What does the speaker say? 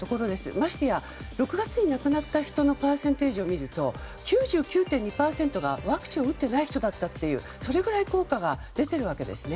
ましてや６月に亡くなった人のパーセンテージを見ると９９．２％がワクチンを打っていない人だったというそれぐらい効果が出ているわけですね。